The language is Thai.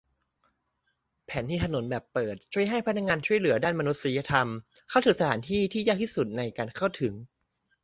แผนที่ถนนแบบเปิดช่วยให้พนักงานช่วยเหลือด้านมนุษยธรรมเข้าถึงสถานที่ที่ยากที่สุดในการเข้าถึง